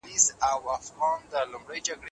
ولي مدام هڅاند د وړ کس په پرتله موخي ترلاسه کوي؟